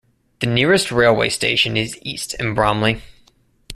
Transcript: The nearest railway station is east in Bramley.